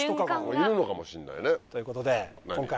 いるのかもしんないね。ということで今回。